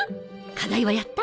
課題はやった？